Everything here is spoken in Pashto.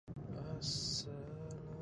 زه د باران له امله تر سایبان لاندي ودریدم.